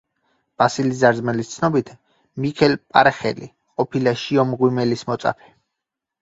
ბასილი ზარზმელის ცნობით მიქელ პარეხელი ყოფილა შიო მღვიმელის მოწაფე.